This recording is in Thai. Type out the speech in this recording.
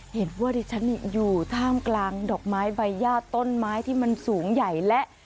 ดิฉันอยู่ท่ามกลางดอกไม้ใบญาติต้นไม้ที่มันสูงใหญ่และ